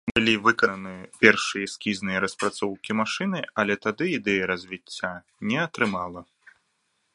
Былі выкананы першыя эскізныя распрацоўкі машыны, але тады ідэя развіцця не атрымала.